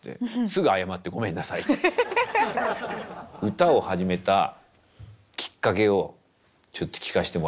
歌を始めたきっかけをちょっと聞かしてもらいたいなと。